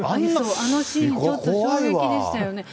あのシーン、ちょっと衝撃でしたよね。